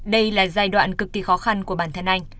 đây là giai đoạn cực kỳ khó khăn của bản thân anh